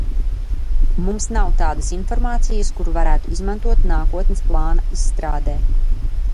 Mums nav tādas informācijas, kuru varētu izmantot nākotnes plāna izstrādē.